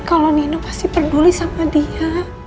kalau nino pasti peduli sama dia